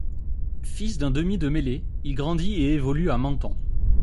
Fils d'un demi de mêlée, il grandit et évolue à Menton.